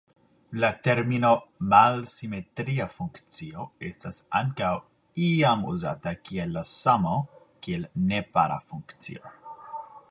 La termino "malsimetria funkcio" estas ankaŭ iam uzata kiel la samo kiel nepara funkcio.